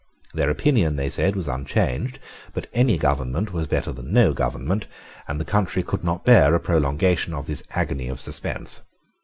Their opinion, they said, was unchanged: but any government was better than no government, and the country could not bear a prolongation of this agony of suspense.